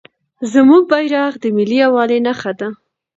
زموږ بیرغ د ملي یووالي نښه ده.